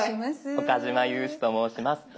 岡嶋裕史と申します。